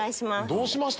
どうしました？